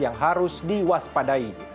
yang harus diwaspadai